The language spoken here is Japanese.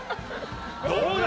どうだ！